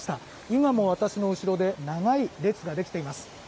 今も私の後ろで長い列ができています。